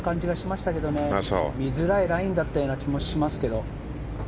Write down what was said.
見づらいラインだった気もしますけど。